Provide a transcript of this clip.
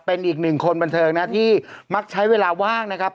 เป็นอีกหนึ่งคนบันเทิงนะที่มักใช้เวลาว่างนะครับ